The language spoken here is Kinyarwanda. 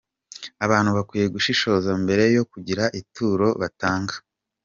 Abantu bakwiye gushishoza mbere yo kugira ituro batanga’.